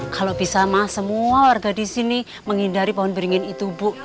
kalau bisa mah semua warga di sini menghindari pohon beringin itu bu